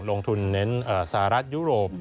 ลงทุนเน้นสหรัฐยุโรป